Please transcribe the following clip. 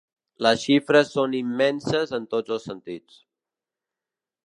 Les xifres són immenses en tots els sentits.